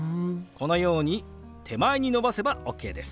このように手前に伸ばせばＯＫです。